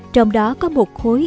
trong đó có một khối